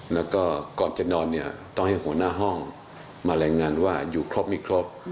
แล้วก็ก่อนจะนอนเนี่ยต้องให้หัวหน้าห้องมาแรงงานว่าอยู่ครบไม่ครบ